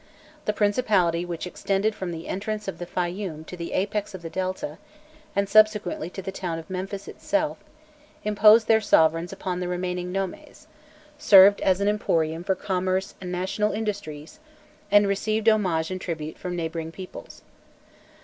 The principality which extended from the entrance of the Fayûm to the apex of the Delta, and subsequently the town of Memphis itself, imposed their sovereigns upon the remaining nomes, served as an emporium for commerce and national industries, and received homage and tribute from neighbouring peoples.